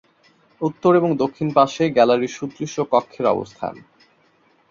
উত্তর এবং দক্ষিণ পাশে গ্যালারী সদৃশ কক্ষের অবস্থান।